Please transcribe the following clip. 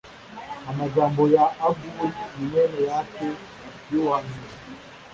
amagambo ya aguri mwene yake y’ubuhanuzi